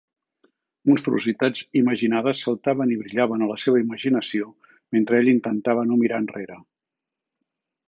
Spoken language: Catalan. Monstruositats imaginades saltaven i brillaven a la seva imaginació mentre ell intentava no mirar enrere.